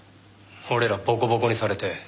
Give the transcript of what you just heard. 俺らボコボコにされて。